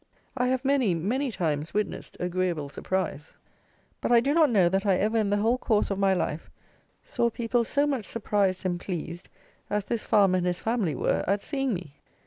I have many, many times witnessed agreeable surprise; but I do not know, that I ever in the whole course of my life, saw people so much surprised and pleased as this farmer and his family were at seeing me.